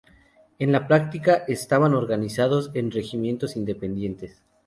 En la práctica, estaban organizados en regimientos independientes.